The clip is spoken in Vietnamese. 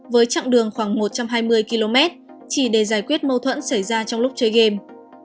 với chặng đường khoảng một trăm hai mươi km chỉ để giải quyết mâu thuẫn xảy ra trong lúc chơi game